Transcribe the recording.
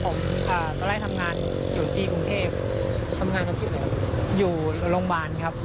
ผมตอนแรกทำงานอยู่ที่กรุงเทพทำงานอาชีพอะไรครับอยู่โรงพยาบาลครับ